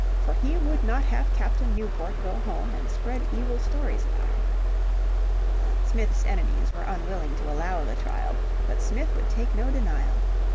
For he would not have Captain Newport go home and spread evil stories about him. Smith's enemies were unwilling to allow the trial. But Smith would take no denial.